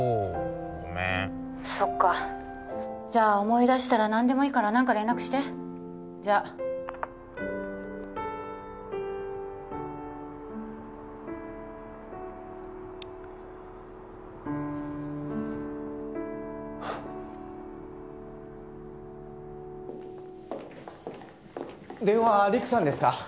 ごめん☎そっかじゃ思い出したら何でもいいから何か連絡してじゃはあ電話陸さんですか？